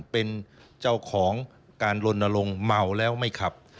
เป็นเจ้าของการลนลงเมาแล้วไม่ขับ